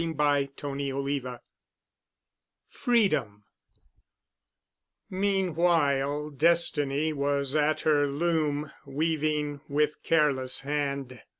*CHAPTER XX* *FREEDOM* Meanwhile, Destiny was at her loom, weaving with careless hand.